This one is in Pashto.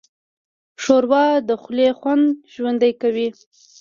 ښوروا د خولې خوند ژوندی کوي.